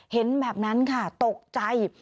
เห็นแบบนั้นค่ะตกใจ